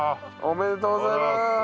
おめでとうございます。